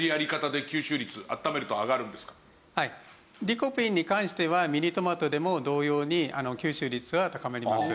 リコピンに関してはミニトマトでも同様に吸収率は高まります。